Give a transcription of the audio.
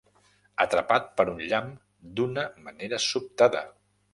Atrapat per un llamp d'una manera sobtada.